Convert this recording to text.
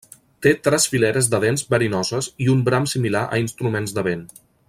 Té tres fileres de dents verinoses i un bram similar a instruments de vent.